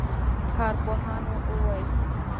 کارپوهانو وویل